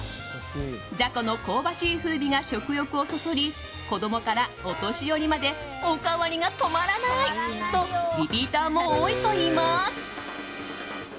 じゃこの香ばしい風味が食欲をそそり子供からお年寄りまでおかわりが止まらないとリピーターも多いといいます。